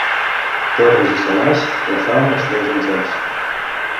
Torres i Salàs, la fam els treu del jaç.